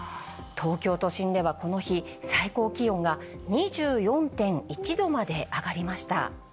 東京都心ではこの日、最高気温が２４．１度まで上がりました。